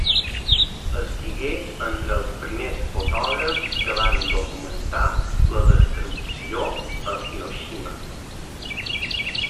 Estigué entre els primers fotògrafs que van documentar la destrucció a Hiroshima.